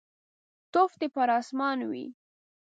توف دي پر اسمان وي.